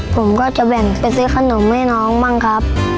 ผมก็จะแบ่งไปซื้อขนมให้น้องบ้างครับ